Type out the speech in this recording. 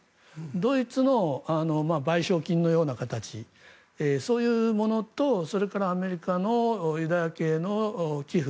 ドイツの賠償金のような形そういうものとそれからアメリカのユダヤ系の寄付